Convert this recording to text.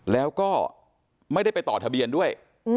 แล้วก็ไม่ได้ไปต่อทะเบียนด้วย